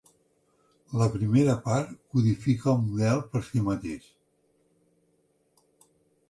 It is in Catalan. La primera part codifica el model per si mateix.